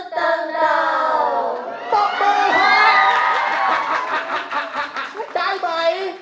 ต้องเบาฮะ